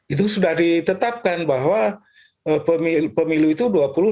itu sudah ditetapkan bahwa pemilu itu dua puluh empat